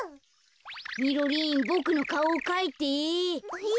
みろりんボクのかおをかいて。